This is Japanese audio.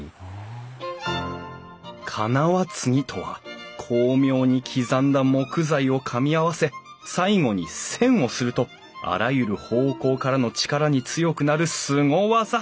金輪継ぎとは巧妙に刻んだ木材をかみ合わせ最後に栓をするとあらゆる方向からの力に強くなるすご技。